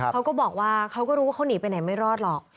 เขาก็บอกว่าเขาก็รู้ว่าเขาหนีไปไหนไม่รอดหรอก